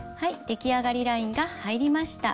できあがりラインが入りました。